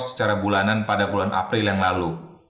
secara bulanan pada bulan april yang lalu